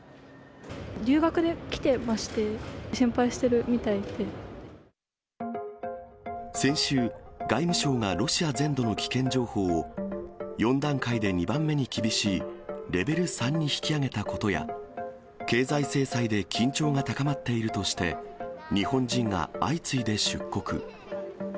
留学で来てまして、心配して先週、外務省がロシア全土の危険情報を、４段階で２番目に厳しいレベル３に引き上げたことや、経済制裁で緊張が高まっているとして、日本人が相次いで出国。